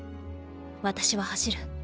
私は走る。